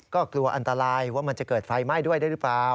ก็กลัวอันตรายว่ามันจะเกิดไฟไหม้ด้วยได้หรือเปล่า